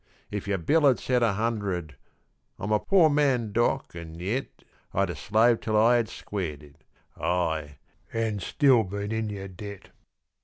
If yer bill had said a hundred ... I'm a poor man, doc., and yet I'd 'a' slaved till I had squared it; ay, an' still been in yer debt.